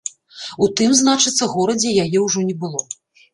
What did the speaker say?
У тым, значыцца, горадзе яе ўжо не было.